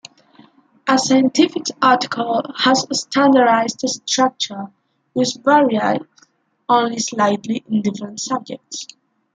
A scientific article has a standardized structure, which varies only slightly in different subjects.